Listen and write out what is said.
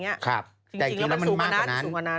จริงเราแต่สูงกว่านั้น